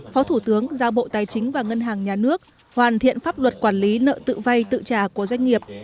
phó thủ tướng giao bộ tài chính và ngân hàng nhà nước hoàn thiện pháp luật quản lý nợ tự vay tự trả của doanh nghiệp